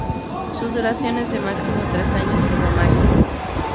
Su duración es de tres años como máximo.